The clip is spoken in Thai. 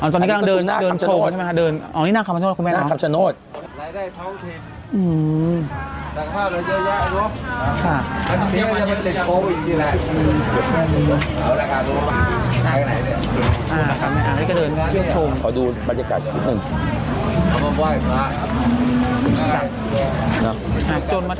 ตอนนี้กำลังเดินโชว์ใช่ไหมครับเดินอ๋อนี่น่าขำชะโนธคุณแม่หรอน่าขำชะโนธ